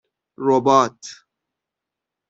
رباط